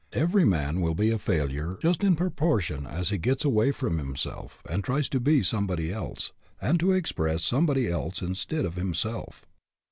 Every man will be a failure just in proportion as he gets away from himself and tries to be somebody else and to express somebody else instead of him self.